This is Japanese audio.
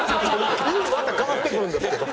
意味また変わってくるんですけど。